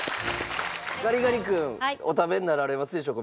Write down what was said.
ガリガリ君お食べになられますでしょうか？